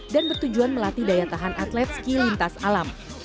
dan bertujuan melatih daya tahan atlet ski lintas alam